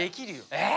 えっ。